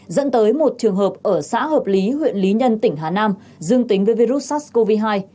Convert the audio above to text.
dẫn tới một trường hợp ở xã hợp lý huyện lý nhân tỉnh hà nam dương tính với virus sars cov hai